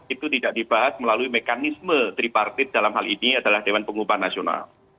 itu tidak dibahas melalui mekanisme tripartit dalam hal ini adalah dewan pengupahan nasional